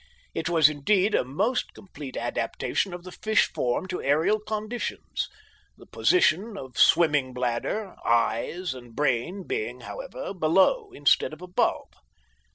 It was indeed a most complete adaptation of the fish form to aerial conditions, the position of swimming bladder, eyes, and brain being, however, below instead of above.